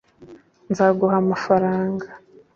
nzaguha amafaranga